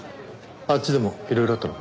あっちでもいろいろあったのか？